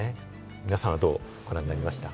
皆さんはどうご覧になりましたか？